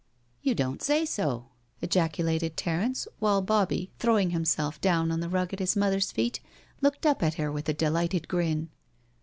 " You don't say so," ejaculated Terence, while Bobbie, throwing himself down on the rug at his mother's feet, looked up at her with a delighted grin.